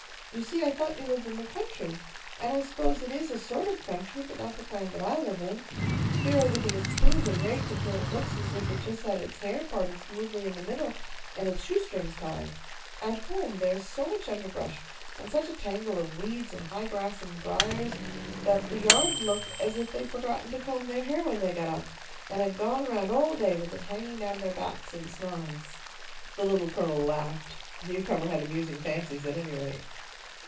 "You see I thought you lived in the country, and I suppose it is a sort of country, but not the kind that I live in. Here everything is pruned and raked until it looks as if it had just had its hair parted smoothly in the middle, and its shoe strings tied. At home there is so much underbrush, and such a tangle of weeds and high grass and briers, that the yards look as if they'd forgotten to comb their hair when they got up, and had gone around all day with it hanging down their backs in snarls." The Little Colonel laughed. The newcomer had amusing fancies, at any rate.